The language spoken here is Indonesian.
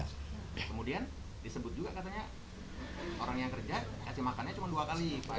kemudian disebut juga katanya orang yang kerja kasih makannya cuma dua kali